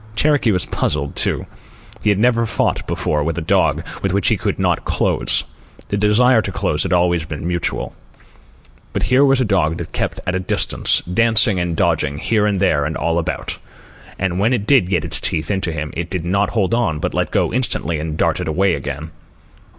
Cherokee was puzzled, too. He had never fought before with a dog with which he could not close. The desire to close had always been mutual. But here was a dog that kept at a distance, dancing and dodging here and there and all about. And when it did get its teeth into him, it did not hold on but let go instantly and darted away again.